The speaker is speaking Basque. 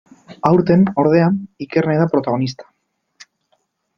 Aurten, ordea, Ikerne da protagonista.